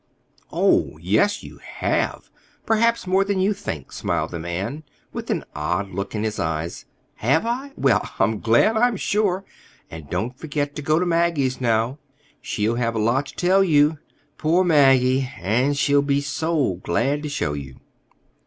"Oh, yes, you have—perhaps more than you think," smiled the man, with an odd look in his eyes. "Have I? Well, I'm glad, I'm sure. And don't forget to go to Maggie's, now. She'll have a lot to tell you. Poor Maggie! And she'll be so glad to show you!"